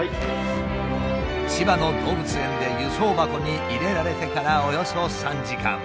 千葉の動物園で輸送箱に入れられてからおよそ３時間。